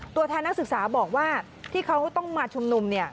ตัวแทนนักศึกษาบอกว่าที่เขาต้องมาชุมนุมเนี่ย